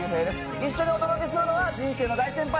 一緒にお届けするのは人生の大先輩。